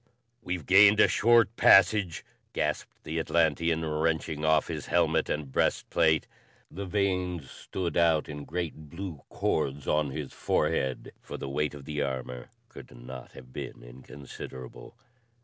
"We've gained a short passage," gasped the Atlantean wrenching off his helmet and breast plate. The veins stood out in great blue cords on his forehead, for the weight of the armor could not have been inconsiderable.